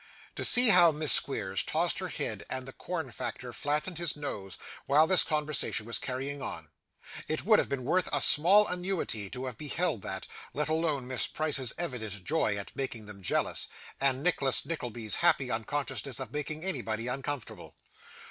To see how Miss Squeers tossed her head, and the corn factor flattened his nose, while this conversation was carrying on! It would have been worth a small annuity to have beheld that; let alone Miss Price's evident joy at making them jealous, and Nicholas Nickleby's happy unconsciousness of making anybody uncomfortable.